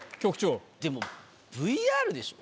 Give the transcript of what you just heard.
でもＶＲでしょ？